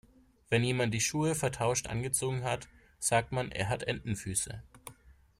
Wenn jemand die Schuhe vertauscht angezogen hat, sagt man, er hat Entenfüße.